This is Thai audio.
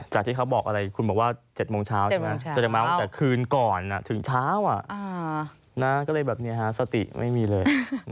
จะที่เขาบอกอะไรคุณว่าจะมองจะมั้งขึ้นก่อนถึงเช้าอ่ะนะก็เลยแบบนี้นะสติไม่มีเลย